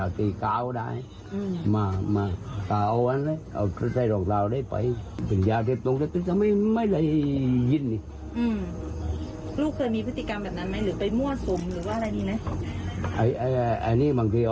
ลูกเคยมีพฤติกรรมแบบนั้นไหมหรือเป็นไปมั่วสมหรืออะไรดีนะ